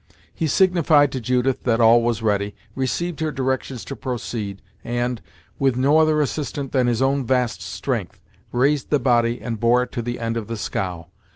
He signified to Judith that all was ready, received her directions to proceed, and, with no other assistant than his own vast strength, raised the body and bore it to the end of the scow.